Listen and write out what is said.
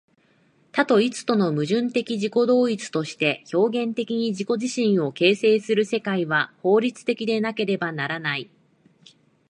多と一との矛盾的自己同一として表現的に自己自身を形成する世界は、法律的でなければならない。